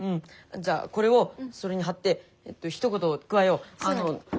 じゃあこれをそれに貼ってひと言加えよう。